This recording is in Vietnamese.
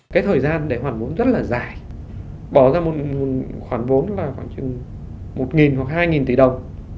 cái thời gian để hoàn vốn rất là dài bỏ ra một khoản vốn là khoảng chừng một hoặc hai tỷ đồng